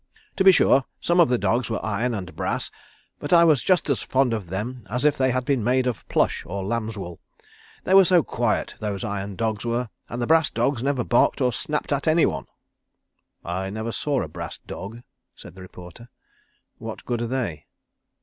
To be sure some of the dogs were iron and brass, but I was just as fond of them as if they had been made of plush or lamb's wool. They were so quiet, those iron dogs were; and the brass dogs never barked or snapped at any one." "I never saw a brass dog," said the reporter. "What good are they?"